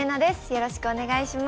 よろしくお願いします。